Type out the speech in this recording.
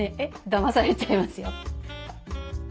だまされちゃいますよ。